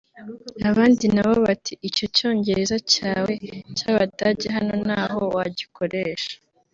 Abandi nabo bati icyo cyongereza cyawe cy’Abadage hano ntaho wagikoresha